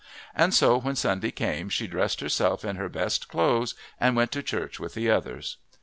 And so when Sunday came she dressed herself in her best clothes and went to church with the others.